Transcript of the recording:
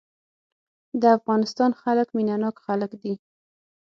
د افغانستان خلک مينه ناک خلک دي.